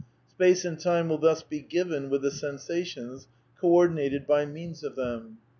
Space and time will thus be ^' given " with the sensations, co ordinated by means of them.